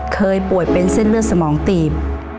เคยป่วยเป็นเส้นเลือดสมองตีบ